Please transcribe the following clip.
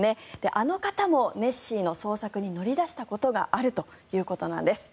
あの方もネッシーの捜索に乗り出したことがあるということなんです。